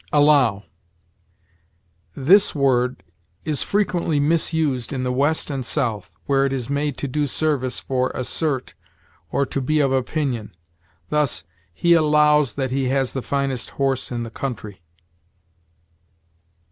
ALLOW. This word is frequently misused in the West and South, where it is made to do service for assert or to be of opinion. Thus, "He allows that he has the finest horse in the country."